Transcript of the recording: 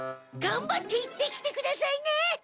がんばって行ってきてくださいね！